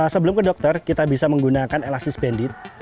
sebelum ke dokter kita bisa menggunakan elastis bandit